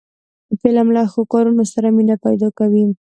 فلم له ښو کارونو سره مینه پیدا کوي